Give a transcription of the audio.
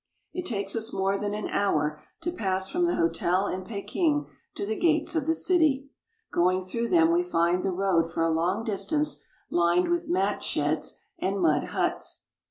It takes us more than an hour to pass from the hotel in Peking to the gates of the city. Going through them we find the road for a long distance lined with mat sheds and mud huts.